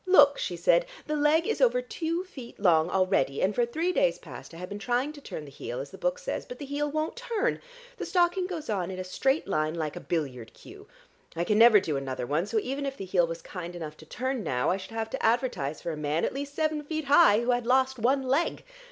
"Look!" she said, "the leg is over two feet long already, and for three days past I have been trying to turn the heel, as the book says, but the heel won't turn. The stocking goes on in a straight line like a billiard cue. I can never do another one, so even if the heel was kind enough to turn now, I should have to advertise for a man at least seven feet high who had lost one leg.